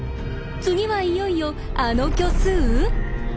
次はいよいよあの虚数？